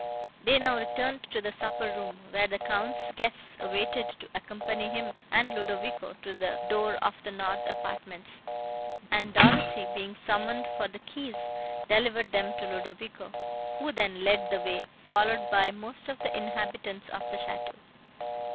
They now returned to the supper room, where the Count's guests awaited to accompany him and Ludovico to the door of the north apartments, and Dorothée, being summoned for the keys, delivered them to Ludovico, who then led the way, followed by most of the inhabitants of the château.